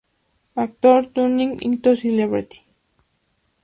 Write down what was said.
Actor Turning Into Celebrity".